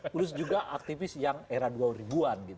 plus juga aktivis yang era dua ribu an